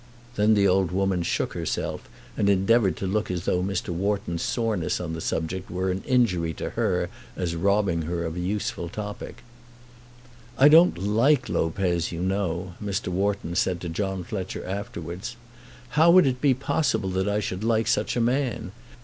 Then the old woman shook herself, and endeavoured to look as though Mr. Wharton's soreness on the subject were an injury to her as robbing her of a useful topic. "I don't like Lopez, you know," Mr. Wharton said to John Fletcher afterwards. "How would it be possible that I should like such a man?